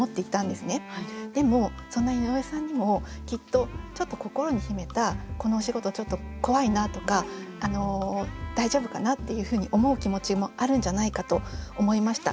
でもそんな井上さんにもきっとちょっと心に秘めたこのお仕事ちょっと怖いなとか大丈夫かなっていうふうに思う気持ちもあるんじゃないかと思いました。